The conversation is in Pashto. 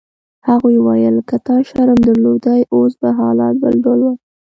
هغې وویل: که تا شرم درلودای اوس به حالات بل ډول وای.